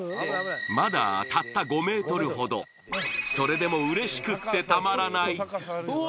まだたった５ｍほどそれでも嬉しくってたまらないうわ！